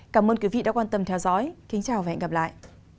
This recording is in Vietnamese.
cảm ơn quý vị đã quan tâm theo dõi kính chào và hẹn gặp lại